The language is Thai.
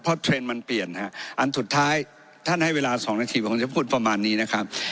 เพราะเทรนด์มันเปลี่ยนฮะอันสุดท้ายท่านให้เวลาสองนาทีผมจะพูดประมาณนี้นะครับ